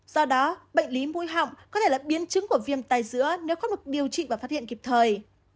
do đó bệnh lý mũi họng có thể là biến chứng của viêm tài giữa nếu không được điều trị và phát hiện kịp thời